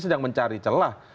sedang mencari celah